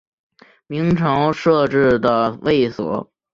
明朝设置的卫所。